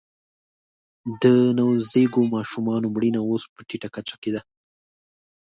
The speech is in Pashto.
د نوزیږو ماشومانو مړینه اوس په ټیټه کچه کې ده